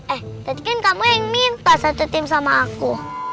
eh jadi kan kamu yang minta satu tim sama aku